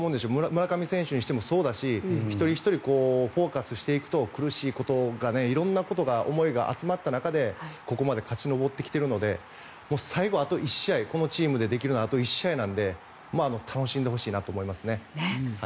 村上選手にしてもそうだし一人ひとりフォーカスしていくと苦しいことが色んなことが思いが集まった中でここまで勝ち上ってきてるので最後、あと１試合このチームでできるのはあと１試合なので楽しんでほしいなと思いますね。